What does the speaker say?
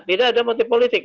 tidak ada motif politik